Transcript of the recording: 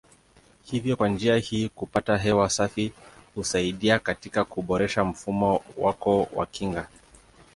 Hivyo kwa njia hii kupata hewa safi husaidia katika kuboresha mfumo wako wa kinga.